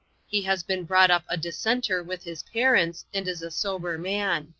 He has been brought up a Dissenter with his Parents, and is a sober man."